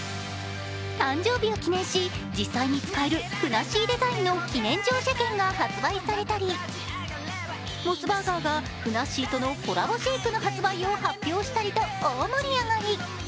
誕生日を記念し、実際に使えるふなっしーデザインの記念乗車券が発売されたりモスバーガーがふなっしーとのコラボシェイクの発売を発表したりと大盛り上がり。